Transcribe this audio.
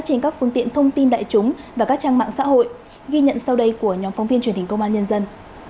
trên các phương tiện thông tin đại chúng và các trang mạng xã hội ghi nhận sau đây của nhóm phóng viên truyền hình công an nhân dân